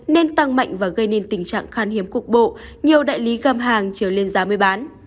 nên tăng mạnh và gây nên tình trạng khan hiếm cục bộ nhiều đại lý găm hàng trở lên giá mới bán